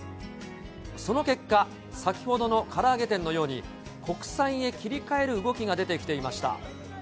その結果、先ほどのから揚げ店のように、国産へ切り替える動きが出てきていました。